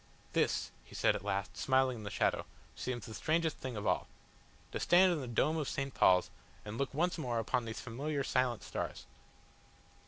"This," he said at last, smiling in the shadow, "seems the strangest thing of all. To stand in the dome of St. Paul's and look once more upon these familiar, silent stars!"